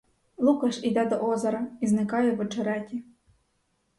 Лукаш іде до озера і зникає в очереті.